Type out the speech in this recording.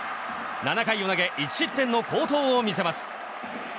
７回を投げ１失点の好投を見せます。